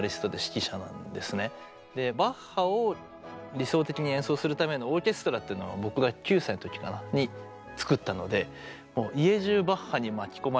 バッハを理想的に演奏するためのオーケストラっていうのを僕が９歳の時かなに作ったので家じゅうバッハに巻き込まれておりました。